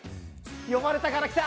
呼ばれたから来た。